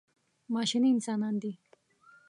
ماشیني انسانان دي.